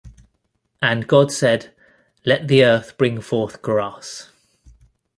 And God said, Let the earth bring forth grass